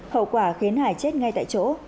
hậu quả khiến hải chết ngay tại chỗ